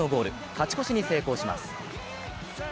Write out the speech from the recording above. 勝ち越しに成功します。